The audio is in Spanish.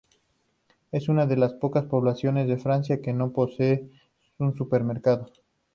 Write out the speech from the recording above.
Es una de las pocas poblaciones de Francia que no posee un supermercado.